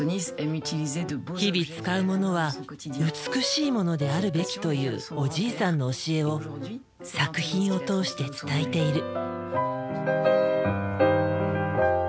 日々使うものは美しいものであるべきというおじいさんの教えを作品を通して伝えている。